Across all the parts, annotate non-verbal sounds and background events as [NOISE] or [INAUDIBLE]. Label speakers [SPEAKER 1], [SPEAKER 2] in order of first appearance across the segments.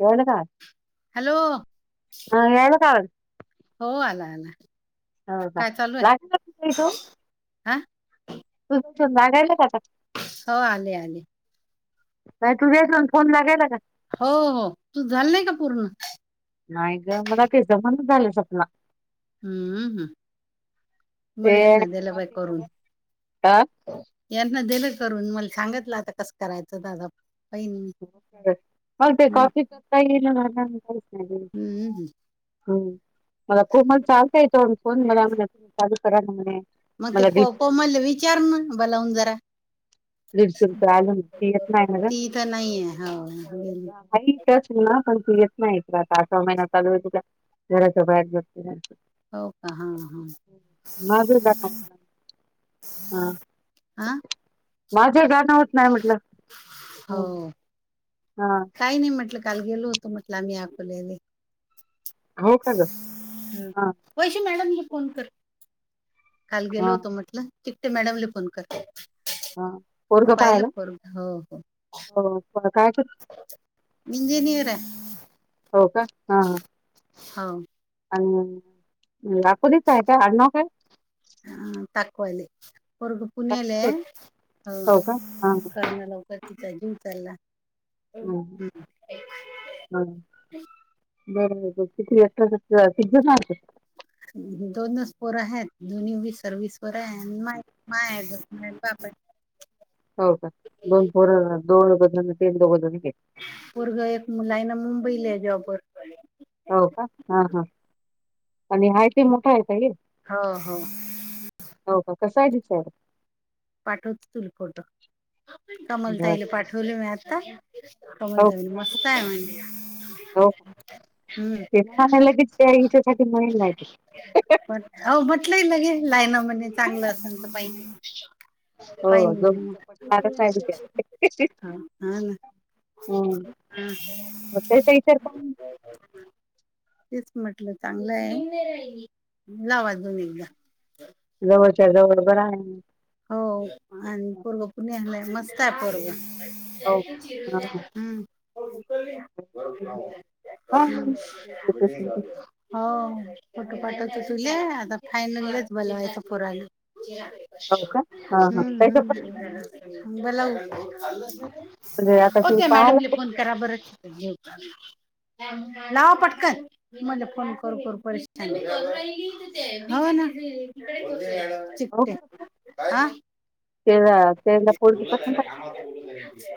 [SPEAKER 1] जेवला का?
[SPEAKER 2] हॅलो.
[SPEAKER 1] हा याला का आवाज?
[SPEAKER 2] हो आला आला.
[SPEAKER 1] हो का
[SPEAKER 2] काय चालू आहे
[SPEAKER 1] लागायल तुझ, इथून
[SPEAKER 2] हा
[SPEAKER 1] तूझ लागायला काता.
[SPEAKER 2] हो आले आले.
[SPEAKER 1] काय तुझ्या इथून फोन लागेना का?
[SPEAKER 2] हो हो. तूझ झालं नाही का पूर्ण?
[SPEAKER 1] नाही ग मला ते जमेना झालंय सपना.
[SPEAKER 2] हम्म हम्म, मला हे
[SPEAKER 1] ते
[SPEAKER 2] ना दला बाय
[SPEAKER 1] कॉफी
[SPEAKER 2] करून.
[SPEAKER 1] करत
[SPEAKER 2] यांना दिलं करून, मला सांगितलं आता कसं करायचं दादा. पाहिन मी
[SPEAKER 1] मग ते
[SPEAKER 2] हं,
[SPEAKER 1] कॉफी करता यीना ना झालं [UNINTELLIGIBLE]
[SPEAKER 2] हम्म, हम्म.
[SPEAKER 1] हम्म मला कोमलचा आलता याच्यावर फोन. मला म्हणत होती [UNINTELLIGIBLE]
[SPEAKER 2] मग ते को-कोमलले विचार ना बलावून जरा.
[SPEAKER 1] दीडशे रूपये [UNINTELLIGIBLE] ती येत नाही ना ग.
[SPEAKER 2] ती इथं नाहीये हो गेली.
[SPEAKER 1] तेच ना, पण ती येत नाही इकडं आता. आठवा महिना चालू आहे तिला. घराच्या बाहेर जातं नाही
[SPEAKER 2] हो का हा हा
[SPEAKER 1] असं [UNINTELLIGIBLE] हा.
[SPEAKER 2] हा
[SPEAKER 1] माझ्या गाणं होत नाही म्हटलं. हम्म.
[SPEAKER 2] हो.
[SPEAKER 1] हा.
[SPEAKER 2] काही नाही म्हटलं काल गेलो होतो म्हटलं आम्ही अकोलेले.
[SPEAKER 1] हो का ग?
[SPEAKER 2] हं.
[SPEAKER 1] हा.
[SPEAKER 2] वैशी मॅडम ने फोन कर. काल गेलो
[SPEAKER 1] हा
[SPEAKER 2] होतो म्हटलं. तिकटे मॅडमला फोन कर
[SPEAKER 1] हा पोरगं
[SPEAKER 2] पाहिलं
[SPEAKER 1] पाहायला
[SPEAKER 2] पोरगं? हो हो.
[SPEAKER 1] हो. आता काय करू?
[SPEAKER 2] इंजिनीयर आहे.
[SPEAKER 1] हो का? हा. हा.
[SPEAKER 2] हो
[SPEAKER 1] आणि लाखोलीच आहे का आडनाव काय?
[SPEAKER 2] हा दाखवायले पोरगं [UNINTELLIGIBLE]
[SPEAKER 1] काय
[SPEAKER 2] पुण्याला
[SPEAKER 1] ते?
[SPEAKER 2] हाय हा कर ना लवकर तिचा जीव चालला. [UNINTELLIGIBLE]
[SPEAKER 1] हम्म बर बर [UNINTELLIGIBLE] पिझ्झा मार्केट
[SPEAKER 2] दोनचं पोर हाय आणि दोन्हीही सर्विस वर हाय आणि [UNINTELLIGIBLE]
[SPEAKER 1] हो का? दोन पोरं [UNINTELLIGIBLE]
[SPEAKER 2] पोरगं एक मुलगा आहे ना मुंबईला आहे जॉबवर.
[SPEAKER 1] हो का हा हा. आणि हायती मोठा आहे काय हे?
[SPEAKER 2] हो हो.
[SPEAKER 1] हो का, कसं आहे [UNINTELLIGIBLE]
[SPEAKER 2] पाठवत तुला फोटो
[SPEAKER 1] बरं
[SPEAKER 2] कमलताईला पाठवले मी आता.
[SPEAKER 1] हो का
[SPEAKER 2] कोमलताई
[SPEAKER 1] काय नाही
[SPEAKER 2] मस्त आहे
[SPEAKER 1] हो का
[SPEAKER 2] म्हणल्या.
[SPEAKER 1] [UNINTELLIGIBLE]
[SPEAKER 2] पण हो म्हटलंय ल गे लाईन म्हणजे चांगलं असेल तर पाहिन
[SPEAKER 1] हो
[SPEAKER 2] पहिन मग
[SPEAKER 1] गौरीच पटणारच आहे विचार
[SPEAKER 2] हा ना.
[SPEAKER 1] हम्म मग त्याचा विचार
[SPEAKER 2] [UNINTELLIGIBLE]
[SPEAKER 1] काय
[SPEAKER 2] तेच म्हटलं चांगलं आहे. लाव‌ अजून एकदा.
[SPEAKER 1] जवळच्या जवळ बर आहे.
[SPEAKER 2] हो आणि पोरग पुण्याला हाय मस्त आहे पोरगं.
[SPEAKER 1] हो का? हा हा
[SPEAKER 2] [UNINTELLIGIBLE] हम्म. हम्म.
[SPEAKER 1] हा
[SPEAKER 2] हो फोटो पाठवते तुलै. आता पहायलाच बोलवायचं पोराला.
[SPEAKER 1] हो का? हा हा
[SPEAKER 2] हम्म.
[SPEAKER 1] त्याच्या पसंत आहे.
[SPEAKER 2] हम्म.
[SPEAKER 1] म्हणजे आता
[SPEAKER 2] [UNINTELLIGIBLE] ओ
[SPEAKER 1] ती
[SPEAKER 2] त्या
[SPEAKER 1] पाहायला
[SPEAKER 2] मॅडमले
[SPEAKER 1] कुठं
[SPEAKER 2] फोन करा बर. लावा पटकन. मले फोन करू करू परेशान हाव ना.
[SPEAKER 1] हो का?
[SPEAKER 2] [UNINTELLIGIBLE] हा.
[SPEAKER 1] त्याला त्याला पोरगी पसंत आहे का?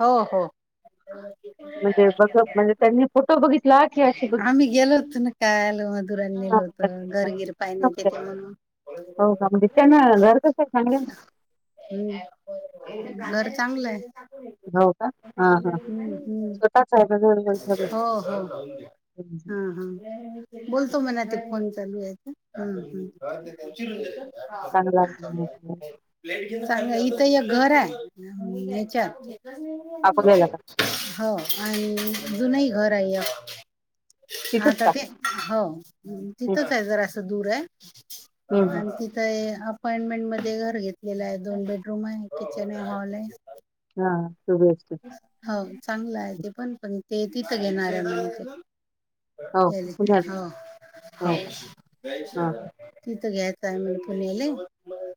[SPEAKER 2] हो. हो.
[SPEAKER 1] म्हणजे बघ म्हणजे त्यांनी फोटो बघितला की अशी बघितली?
[SPEAKER 2] आम्ही गेलो होतो ना. काल मधुरानी
[SPEAKER 1] हा हा.
[SPEAKER 2] नेलं होतं घरबीर पाय नाही तेथे म्हणून.
[SPEAKER 1] हो का? म्हणजे त्यांन घर कसं चांगलं आहे ना?
[SPEAKER 2] हम्म, घर चांगलं आहे.
[SPEAKER 1] ना? हो का? हा हा
[SPEAKER 2] हं हं,
[SPEAKER 1] स्वतःच आहे का घर
[SPEAKER 2] हो हो. हा हा बोल तू मना ते फोन चालूएत हम्म हम्म. चालू ए
[SPEAKER 1] चांगला
[SPEAKER 2] इथ एक
[SPEAKER 1] अच्छा.
[SPEAKER 2] घर. ताय हम्म हेच्या.
[SPEAKER 1] अकोल्याला का?
[SPEAKER 2] हो आणि
[SPEAKER 1] हा.
[SPEAKER 2] जुनही घर आहे,
[SPEAKER 1] तिथंच
[SPEAKER 2] आता
[SPEAKER 1] का?
[SPEAKER 2] ते हो
[SPEAKER 1] हम्म
[SPEAKER 2] तिथच ए जरा असं दूर आहे
[SPEAKER 1] हम्म
[SPEAKER 2] आणखी ते अपार्टमेंट मध्ये घर घेतलेलं ए दोन बेडरूम ए किचन ए हॉल ए.
[SPEAKER 1] हा सुरू असत.
[SPEAKER 2] हो चांगलं आहे ते पण पण ते तिथं घेणार आहे म्हण ते.
[SPEAKER 1] हो
[SPEAKER 2] झाले
[SPEAKER 1] पुण्यात
[SPEAKER 2] हो हो,
[SPEAKER 1] हा
[SPEAKER 2] तिथं घ्याय टाइमवर पण नेलंय.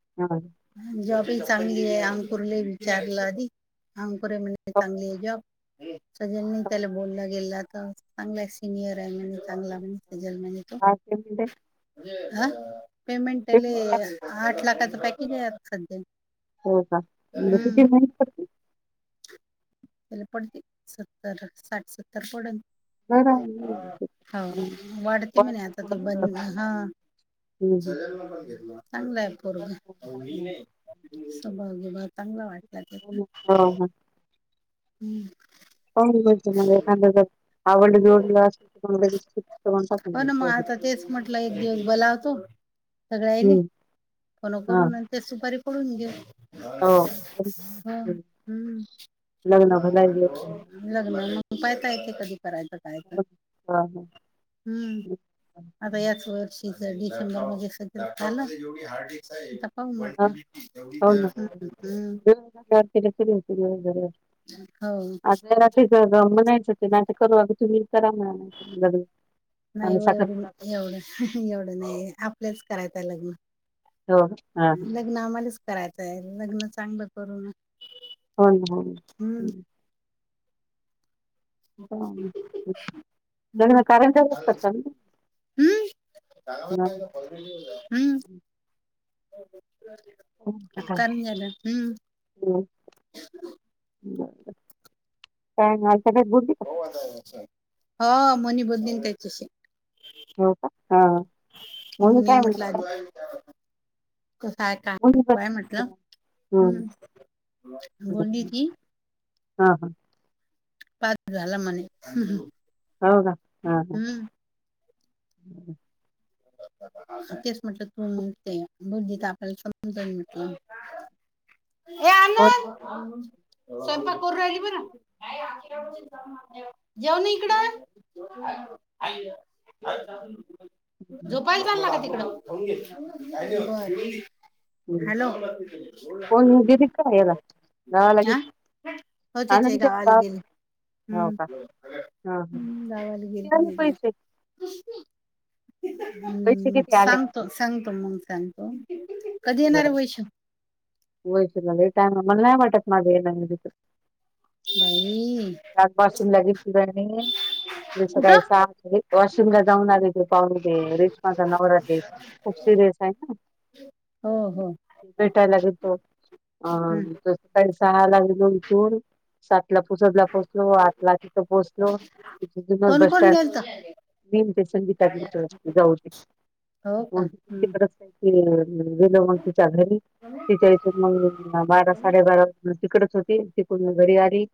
[SPEAKER 1] [UNINTELLIGIBLE]
[SPEAKER 2] जॉबही चांगली ए अंकुरले विचारलं आदी. पोर म्हने
[SPEAKER 1] हो.
[SPEAKER 2] चांगली ए जॉब, सगळ्यांनी
[SPEAKER 1] हो.
[SPEAKER 2] त्याला बोलणं गेला का. चांगला सिनियर आहे म्हणे, चांगला मस्त हाय तो जर्नल हे तो,
[SPEAKER 1] काय पेमेंट आहे?
[SPEAKER 2] हा? पेमेंट त्याले आठ लाखाचं पॅकेज हाय आता सध्या.
[SPEAKER 1] हो का, म्हणजे
[SPEAKER 2] हम्म
[SPEAKER 1] किती नाय तर.
[SPEAKER 2] त्याला पडते सत्तर साठ सत्तर पडल.
[SPEAKER 1] बरं आहे. हम्म.
[SPEAKER 2] वाढते म्हणे आता ते
[SPEAKER 1] पुढं पुढं.
[SPEAKER 2] बन हा.
[SPEAKER 1] हम्म हम्म.
[SPEAKER 2] चांगलं ए
[SPEAKER 1] हो
[SPEAKER 2] पोरग, स्वभाव भीभाव चांगलं वाटत राहतेत ना.
[SPEAKER 1] हो. हो.
[SPEAKER 2] हम्म
[SPEAKER 1] [UNINTELLIGIBLE] आवडली बिवडली
[SPEAKER 2] हो ना मग आता
[SPEAKER 1] असल [UNINTELLIGIBLE]
[SPEAKER 2] सगळ रायले पण नको राहते सुपारी फोडून घेऊ.
[SPEAKER 1] हो.
[SPEAKER 2] हं
[SPEAKER 1] हं.
[SPEAKER 2] हं
[SPEAKER 1] लग्न भलाही
[SPEAKER 2] लग्न म्ह का यकाय ते कधी करायचं.
[SPEAKER 1] हो ना. हां, हां.
[SPEAKER 2] हम्म आता याच वर्षी दिसं दिसं दिसं विथ झालं. हो
[SPEAKER 1] हां,
[SPEAKER 2] मोठं,
[SPEAKER 1] हो
[SPEAKER 2] हम्म
[SPEAKER 1] ना.
[SPEAKER 2] हम्म हम्म.
[SPEAKER 1] [UNINTELLIGIBLE]
[SPEAKER 2] हो.
[SPEAKER 1] ते ग म्हणायचं की, नई तर करू लागतो, तुम्ही बी करा म्हणायचं लग्न.
[SPEAKER 2] नाय
[SPEAKER 1] आम्ही
[SPEAKER 2] वो एवढ
[SPEAKER 1] साखरपुडा करतो.
[SPEAKER 2] एवढं एवढं नाही आपलेच करायच ए लग्न.
[SPEAKER 1] हो हां, हां.
[SPEAKER 2] लग्न आमालाच करायचं आहे लग्न चांगलं करून.
[SPEAKER 1] हो ना हो.
[SPEAKER 2] हम्म हम्म चालच
[SPEAKER 1] [UNINTELLIGIBLE] ना?
[SPEAKER 2] हम्म? हम्म.
[SPEAKER 1] हं. हो ना. हां.
[SPEAKER 2] काम झालं हम्म.
[SPEAKER 1] हं. [UNINTELLIGIBLE]
[SPEAKER 2] हा मनी बोलली न त्याच्याशी.
[SPEAKER 1] हो का? हां.
[SPEAKER 2] होऊ
[SPEAKER 1] मुली काय
[SPEAKER 2] नये
[SPEAKER 1] म्हणत
[SPEAKER 2] म्हटलं
[SPEAKER 1] होत्या?
[SPEAKER 2] आधी. कसं आहे काय, काय
[SPEAKER 1] मुली पण
[SPEAKER 2] पाय म्हटलं
[SPEAKER 1] हं. हं.
[SPEAKER 2] हम्म बोल्ली ती.
[SPEAKER 1] हा हा.
[SPEAKER 2] पास झाला म्हणे.
[SPEAKER 1] हो का हा हा.
[SPEAKER 2] [UNINTELLIGIBLE] तेच म्हटलं, तुम
[SPEAKER 1] हो.
[SPEAKER 2] ते बघू ते आपलं संपून जाईल म्हटलं. ए अनु स्वयंपाक करू राहिली बरं. जेवणा इकडं झोपायला चांला का तिकडं.
[SPEAKER 1] हं.
[SPEAKER 2] हॅलो.
[SPEAKER 1] कोण दिली का याला गावाला
[SPEAKER 2] हा
[SPEAKER 1] गेली
[SPEAKER 2] हो तेचि आई
[SPEAKER 1] आनंदच्या
[SPEAKER 2] गवालं गेली.
[SPEAKER 1] गावाला हो
[SPEAKER 2] हम्म
[SPEAKER 1] का हा हा
[SPEAKER 2] हम्म गावाला गेली
[SPEAKER 1] किती आले
[SPEAKER 2] ती
[SPEAKER 1] पैसे पैसे
[SPEAKER 2] हम्म
[SPEAKER 1] किती आले म्हणजे
[SPEAKER 2] सांगतो सांगतो मग सांगतो, कधी येणार आहे वैश्यु?
[SPEAKER 1] वैश्यु लालय टाईम आहे मला नाही वाटात माझ येणार हाय तिथं.
[SPEAKER 2] बाई
[SPEAKER 1] लाग बासून लगेच तणी. जसं काय
[SPEAKER 2] कुठं
[SPEAKER 1] सासरी, वाशिमला जाऊन आले त पाहून रेश्माचा नवरा ते. खूप सिरियस आहे ना.
[SPEAKER 2] हो हो
[SPEAKER 1] भेटायला गेलतो, आ
[SPEAKER 2] हम्म.
[SPEAKER 1] तस सकाळी सहा ला गेलो उथून सात ला पूजत. पोहचलो आठला तिथं पोहचलो, मग तिथन
[SPEAKER 2] कोण
[SPEAKER 1] बस
[SPEAKER 2] कोण
[SPEAKER 1] स्टँड
[SPEAKER 2] गेलत
[SPEAKER 1] ने ते संगीता जाऊ शकत
[SPEAKER 2] हो का
[SPEAKER 1] कोणती
[SPEAKER 2] हम्म.
[SPEAKER 1] करत नाही. हम्म मग गेलो मग तिच्या घरी.
[SPEAKER 2] हम्म,
[SPEAKER 1] तिच्यास मग बारा साडेबारा तिकडच होती. घरी आली,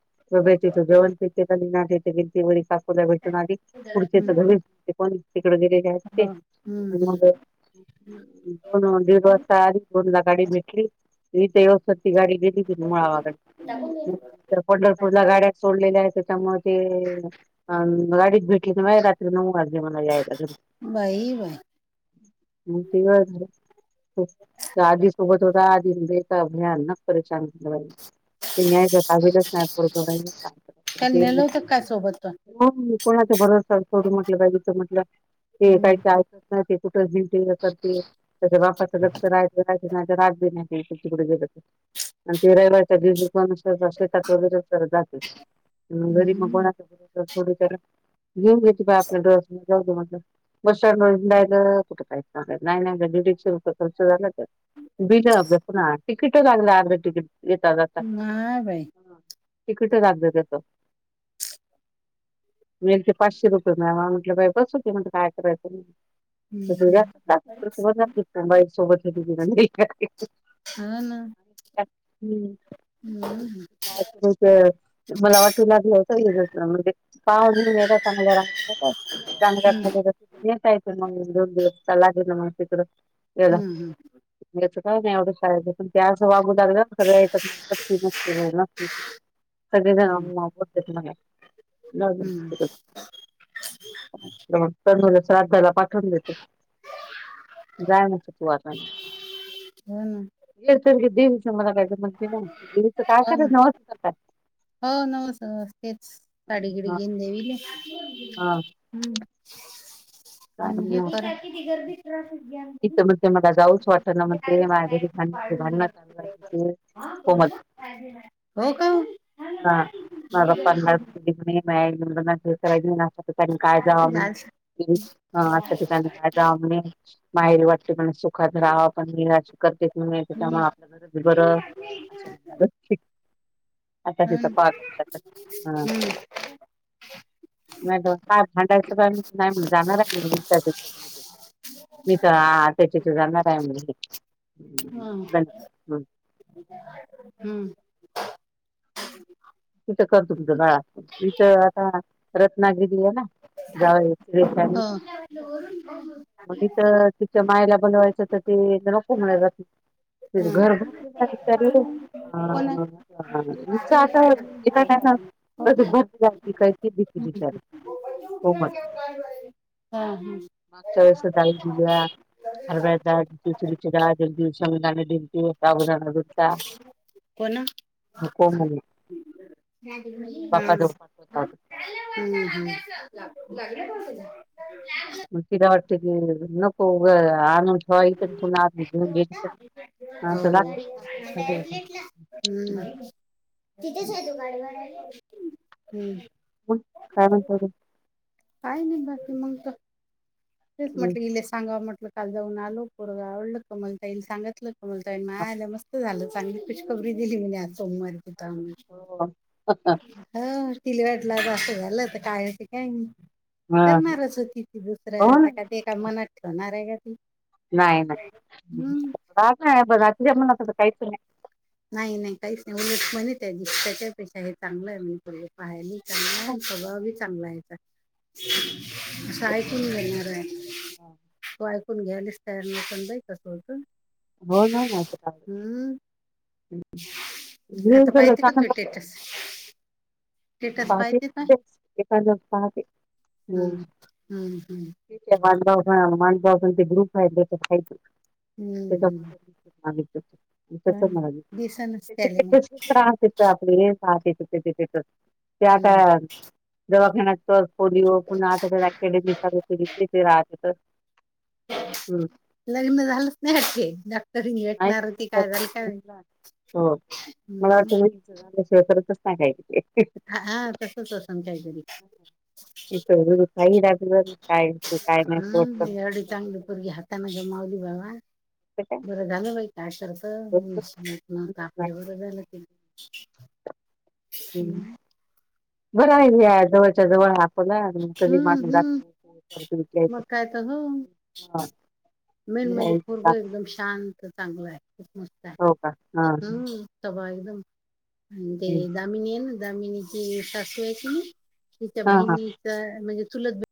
[SPEAKER 1] भेटीच जेवण [UNINTELLIGIBLE] भेटून आली पुढचे तर
[SPEAKER 2] हो.
[SPEAKER 1] घरी कोण तिकड गेलेले आहेत ते.
[SPEAKER 2] हम्म,
[SPEAKER 1] ग
[SPEAKER 2] हम्म.
[SPEAKER 1] दोन दीड वाजता आली दोन ला गाडी भेटली. री ते औषती गाडी गेली ती मुळा वगड.
[SPEAKER 2] दाबून गेलो की
[SPEAKER 1] पंढरपूर ला गाड्यात सोडलेल्या आहेत त्या त्यामुळे ते गाडीत भेट कि रात्री नऊ वाजे मला यायला घरी
[SPEAKER 2] बाई बाई
[SPEAKER 1] [UNINTELLIGIBLE] आदी सोबत होता आदीन ब अभियान ना. परहि ते न्यायतावीच्यायपूर्हि
[SPEAKER 2] काल नेल होत का सोब
[SPEAKER 1] हो कोणाच भरसा सोड म्हटलं काच म्हटलं ते काही. ते कुठ अस ते तेच्या बापाच लक्ष राहायं राहि नाही राग नाही जग. आणि ते रहिवाच्या जिज पण शेतात वगैरे जाते घरी मग
[SPEAKER 2] हम्म
[SPEAKER 1] कोणा सोडू त्या घेऊन घेते बा आपल्याला ड्रस जाऊ म्हटल. बसय कुठं काय नाहीडशे रुपय खर्च झालंय. बिज अभ्यास ना तिकिट लागला आग्र तिकीट येता जातात.
[SPEAKER 2] हां बाई
[SPEAKER 1] तर राग घेतो. म ते पाचशे रुपये म्या म्हटलं बाई, बस होते म्हण काय करायचं. सोबतातस ना बाई सोबत त
[SPEAKER 2] हा ना. हम्म
[SPEAKER 1] हमं मला वाटूला घेचंस म्हणजे पाव येऊन येत चांगला रागला काय.
[SPEAKER 2] हम्म.
[SPEAKER 1] येत हाय मम्मी दोन दिवस चला म्हणाव मावशीकडं येजा.
[SPEAKER 2] हम्म
[SPEAKER 1] याच काय नाही एवढं शाळेचं, पण त्या असं वागूदार सगळ्या याच्यात [UNINTELLIGIBLE] सगळे जण
[SPEAKER 2] हम्म
[SPEAKER 1] मग बोलतात म्हणं, जाऊदेल
[SPEAKER 2] हम्म
[SPEAKER 1] तिकडं. मग तुल श्रधाला पाठवून देतो. जाण्याच त वा
[SPEAKER 2] हो ना
[SPEAKER 1] हे तर दिव मला म्हणच काय
[SPEAKER 2] हो ना
[SPEAKER 1] नवयसच काय.
[SPEAKER 2] हो नऊस नउस तेच साडी घिडी
[SPEAKER 1] हा
[SPEAKER 2] घेऊन देवीले.
[SPEAKER 1] हा
[SPEAKER 2] हम्म
[SPEAKER 1] काय
[SPEAKER 2] आणि हे
[SPEAKER 1] म्हणणार
[SPEAKER 2] करा.
[SPEAKER 1] तिथं म्हणते मला जाऊच वाटत ना म्हणते माझ्या घरी भांडणाचे भांडणं चालू आहे
[SPEAKER 2] [UNINTELLIGIBLE]
[SPEAKER 1] म्हणते कोमल
[SPEAKER 2] हो का?
[SPEAKER 1] हा पन्नास [UNINTELLIGIBLE] हाय, एकोणपन्नास [UNINTELLIGIBLE] पण काय जाऊ
[SPEAKER 2] आपल्या
[SPEAKER 1] आम्ही [UNINTELLIGIBLE] असं ठिकाणी काय जाऊ नाही. आईला वाटते पण सुखात राहावं, पण मी राज करते त्याच्यामुळं.
[SPEAKER 2] इथं
[SPEAKER 1] [UNINTELLIGIBLE] अच्छा तिचा
[SPEAKER 2] हम्म
[SPEAKER 1] पा [UNINTELLIGIBLE] हा.
[SPEAKER 2] हम्म
[SPEAKER 1] नाही काय भांडायच काय मने नाही जाणार आहे. [UNINTELLIGIBLE] मी तर त्याच्यात जाणार आहे म्हणे गण हं.
[SPEAKER 2] हम्म. [INAUDIBLE]
[SPEAKER 1] तिथं का तुमचं बाळा, तिथं आता रत्नागिरी आहे ना जा हे सरस
[SPEAKER 2] हम्म
[SPEAKER 1] आनं
[SPEAKER 2] हो वरून
[SPEAKER 1] ती तर तिच्या मायला बोलवायचं तर ते इथं नको म्हणाय जाती. अं
[SPEAKER 2] हो का?
[SPEAKER 1] घरभर तिला
[SPEAKER 2] हा
[SPEAKER 1] विचारेले आं [UNINTELLIGIBLE] तिला काय गं, बहुतेक भरती झालती काय ती बिचारी. कोमल
[SPEAKER 2] [UNINTELLIGIBLE] हा हम्म.
[SPEAKER 1] मागच्या वेळेस तिसरीचं दहा दिव दिवसांनी दानं दिलतो. साबुदाणा धुतला नको म्हणून. झोपत
[SPEAKER 2] हां.
[SPEAKER 1] होता
[SPEAKER 2] हम्म हम्म.
[SPEAKER 1] मगं तिला वाटतते की नको उग आन [UNINTELLIGIBLE]
[SPEAKER 2] हम्म तिथेच आहे तो गाडी भाडा, हम्म.
[SPEAKER 1] मगं काय म्हणता तुम्ही?
[SPEAKER 2] काय नि बाकी मंग त तेच
[SPEAKER 1] अजून
[SPEAKER 2] म्हटलं इले सांगाव म्हटलं काल जाऊन आलो पोरगा आवडलं कोमल ताईल सांगतलं. बोलताई माय आलं मस्त झालं चांगली खु शखबरी दिली म्हणे आज सोमवारी. ते ता आम्ही
[SPEAKER 1] हो
[SPEAKER 2] हर ती वाटला असं झालं तर कायच काय नाही
[SPEAKER 1] हा
[SPEAKER 2] करणारच होती ती
[SPEAKER 1] हो
[SPEAKER 2] दुसरं
[SPEAKER 1] ना
[SPEAKER 2] आता काय. ते काय मनात ठेवणार आहे का ती?
[SPEAKER 1] नाही
[SPEAKER 2] हम्म
[SPEAKER 1] नाही नाही [UNINTELLIGIBLE] मनात काहीच नाही.
[SPEAKER 2] नाही नाही काहीच नाही, उलट म्हणे त्यांनी त्याच्यापेक्षा हे चांगलं आहे म्हणून प्रोजेक्ट. बाहेर नि चांगला
[SPEAKER 1] हो
[SPEAKER 2] आणि स्वभाव बी चांगला आहे याचा. असं ऐकून घेणार हाय, होय. कोण घ्यायलाच तयार नाही, पण जाई का पोरगं?
[SPEAKER 1] हो ना.
[SPEAKER 2] आता पाहते का तू
[SPEAKER 1] [UNINTELLIGIBLE] [UNINTELLIGIBLE]
[SPEAKER 2] स्टेटस स्टेटस
[SPEAKER 1] पाहते
[SPEAKER 2] का
[SPEAKER 1] तेच ते काजल पाहते हम्म.
[SPEAKER 2] हम्म हम्म
[SPEAKER 1] ठीक वन थउजंड वन थउजंड ते ग्रुप आहे त्याच्यात आहे ते.
[SPEAKER 2] हम्म
[SPEAKER 1] त्याचच आधीच मी तेचच
[SPEAKER 2] हम्म दिसनच
[SPEAKER 1] म्हणालोय, ते
[SPEAKER 2] त्याले मग
[SPEAKER 1] कसं त्रास देतंय तेथे आपले पाहते ते तिथं, ते आता
[SPEAKER 2] हम्म
[SPEAKER 1] दवाखान्यात तर पोलिओ पुन्हा आता तर, अकॅडमी सगळे राहते तर हम्..
[SPEAKER 2] लग्न झालंच नाहीे वाटते. तरी
[SPEAKER 1] नाही
[SPEAKER 2] भेटणार
[SPEAKER 1] केलं
[SPEAKER 2] होती
[SPEAKER 1] तर
[SPEAKER 2] काजल काल,
[SPEAKER 1] नाही.
[SPEAKER 2] हम्म.
[SPEAKER 1] हिच्या झाला शेव करतच टाकायचं.
[SPEAKER 2] हा तसच असन काहीतरी
[SPEAKER 1] [UNINTELLIGIBLE] कायच काय नाही सोड.
[SPEAKER 2] ऐवढी चांगली पोरगी हातान गमवली बाबा. बरं झालं बाई, काय करायचं [UNINTELLIGIBLE]
[SPEAKER 1] काय
[SPEAKER 2] बरं झालं ते. हम्म.
[SPEAKER 1] बरं हाय ह्या जवळच्या जवळ
[SPEAKER 2] हम्म हम्म. मग काय तर हो
[SPEAKER 1] हाय. [UNINTELLIGIBLE]
[SPEAKER 2] मेन म्हणजे पोरग एकदम शांत चांगलं आहे, खूप मस्त आहे.
[SPEAKER 1] हो का हा
[SPEAKER 2] हम्म.. तवा एकदम आणि ते
[SPEAKER 1] हं.
[SPEAKER 2] दमिनी आहे ना, दमिनी ची सासू आहे कणी. तिच्या
[SPEAKER 1] हा हा
[SPEAKER 2] बहिणीचा म्हणजे चुलत बहि